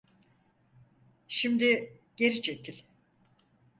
Şimdi geri çekil.